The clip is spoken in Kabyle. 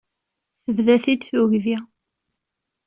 Tebda-t-id tugdi.